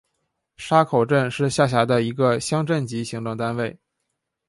沙口镇是下辖的一个乡镇级行政单位。